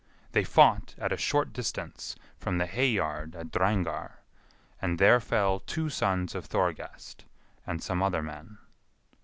They fought at a short distance from the hay yard at Drangar, and there fell two sons of Thorgest, and some other men.